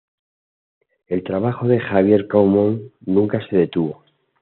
El trabajo de Javier Caumont nunca se detuvo.